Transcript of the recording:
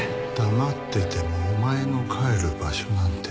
黙っててもお前の帰る場所なんてないんだよ。